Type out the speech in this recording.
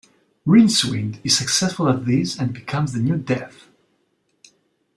Rincewind is successful at these and becomes the new death.